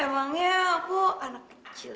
emangnya aku anak kecil